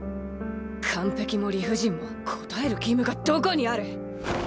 完璧も理不尽も応える義務がどこにある。